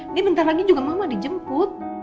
ini bentar lagi juga mama dijemput